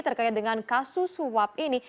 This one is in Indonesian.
terkait dengan kasus suap ini